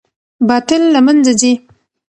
باطل له منځه ځي